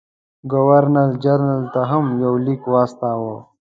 ګورنر جنرال ته هم یو لیک واستاوه.